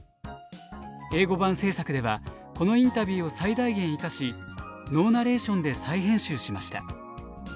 英語版制作ではこのインタビューを最大限生かしノーナレーションで再編集しました。